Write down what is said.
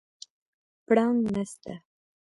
پړانګ نسته